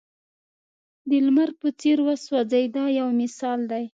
د لمر په څېر وسوځئ دا یو مثال دی.